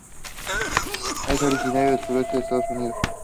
Es originario del sudeste de Estados Unidos.